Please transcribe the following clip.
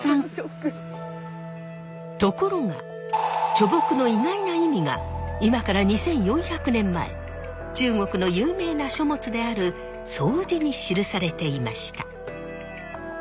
ところが樗木の意外な意味が今から２，４００年前中国の有名な書物である「荘子」に記されていました。